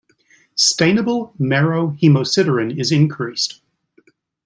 Stainable marrow hemosiderin is increased.